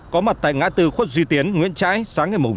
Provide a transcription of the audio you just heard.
có mặt tại ngã tư khuất duy tiến nguyễn trãi sáng ngày tám